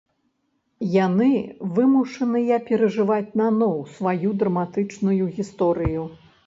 Яны вымушаныя перажываць наноў сваю драматычную гісторыю.